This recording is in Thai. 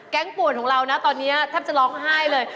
ป่วนของเรานะตอนนี้แทบจะร้องไห้เลย